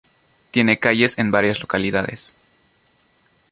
Tiene calles en varias localidades.